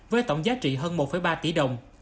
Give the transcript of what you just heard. với tổng giá trị hơn một ba tỷ đồng